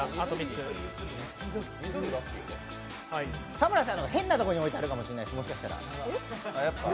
田村さんが変なところに置いてあるかもしれないです。